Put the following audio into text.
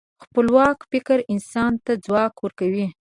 خپلواکه فکر انسان ته ځواک ورکوي.